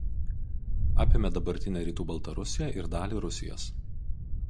Apėmė dabartinę rytų Baltarusiją ir dalį Rusijos.